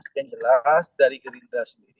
yang jelas dari gerindra sendiri